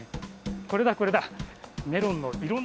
これだこれだ。